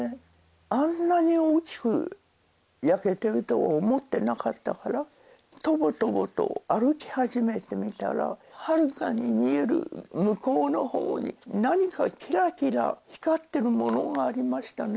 あんなに大きく焼けてると思ってなかったからとぼとぼと歩き始めてみたらはるかに見える向こうのほうに何かキラキラ光ってるものがありましたね